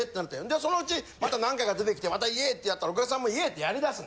でそのうちまた何回か出てきてまたイェイ！ってやったらお客さんもイェイ！ってやりだす。